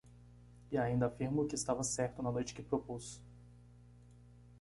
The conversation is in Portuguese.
E ainda afirmo que estava certo na noite que propus.